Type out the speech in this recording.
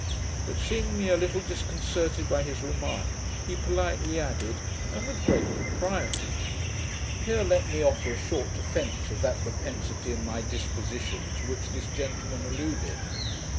But, seeing me a little disconcerted by his remark, he politely added, 'and with great propriety'. Here let me offer a short defence of that propensity in my disposition, to which this gentleman alluded.